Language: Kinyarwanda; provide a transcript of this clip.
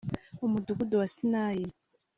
umudugudu wa Sinayi